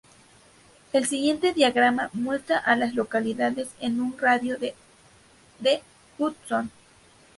El siguiente diagrama muestra a las localidades en un radio de de Hudson.